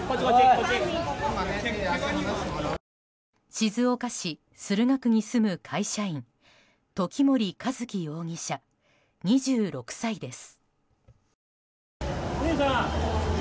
静岡市駿河区に住む会社員時森一輝容疑者、２６歳です。